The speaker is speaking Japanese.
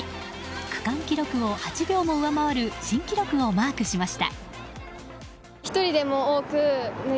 区間記録を８秒も上回る新記録をマークしました。